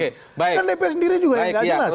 kan dpr sendiri juga yang tidak jelas